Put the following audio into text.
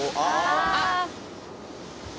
ああ。